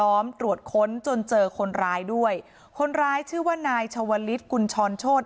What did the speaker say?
มตรวจค้นจนเจอคนร้ายด้วยคนร้ายชื่อว่านายชาวลิศกุญชรโชธ